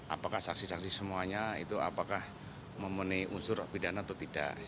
apakah saksi saksi semuanya itu apakah memenuhi unsur pidana atau tidak